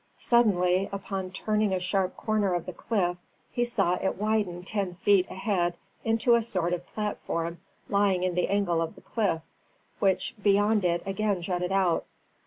Suddenly, upon turning a sharp corner of the cliff, he saw it widened ten feet ahead into a sort of platform lying in the angle of the cliff, which beyond it again jutted out.